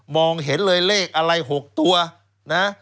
เห็นเลยเลขอะไร๖ตัวนะ